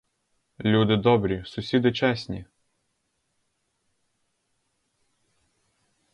Люди добрі, сусіди чесні!